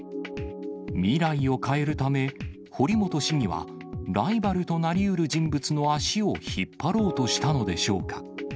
未来を変えるため、堀本市議はライバルとなりうる人物の足を引っ張ろうとしたのでしょうか。